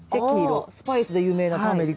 ああスパイスで有名なターメリック。